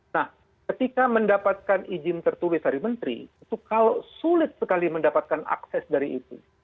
nah ketika mendapatkan izin tertulis dari menteri itu kalau sulit sekali mendapatkan akses dari itu